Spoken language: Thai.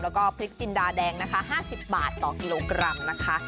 แล้วก็พริกจินดาแดงนะคะ๕๐บาทต่อกิโลกรัมนะคะ